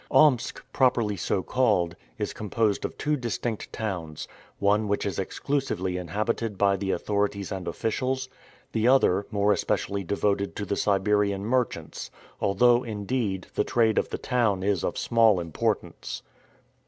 Omsk, properly so called, is composed of two distinct towns: one which is exclusively inhabited by the authorities and officials; the other more especially devoted to the Siberian merchants, although, indeed, the trade of the town is of small importance.